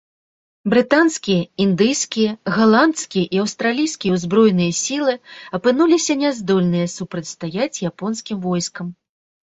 Брытанскія, індыйскія, галандскія і аўстралійскія ўзброеныя сілы апынуліся няздольныя супрацьстаяць японскім войскам.